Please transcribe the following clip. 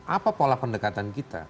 apa pola pendekatan kita